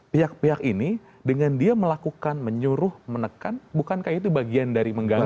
pihak pihak ini dengan dia melakukan menyuruh menekan bukankah itu bagian dari mengganggu